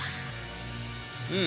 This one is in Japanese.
うん。